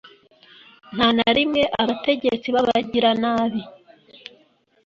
Nta na rimwe abategetsi b’abagiranabi